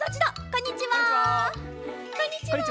こんにちは。